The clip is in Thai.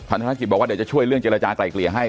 ท่านธนาคิดบอกว่าเดี๋ยวจะช่วยเรื่องเจรจาไก่เกลี่ยให้